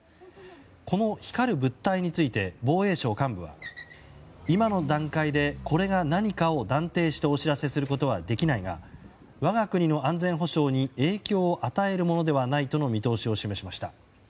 この光る物体について防衛省幹部は今の段階でこれが何かを断定してお知らせすることはできないが我が国の安全保障に影響を与えるものではないとの見通しを示しました。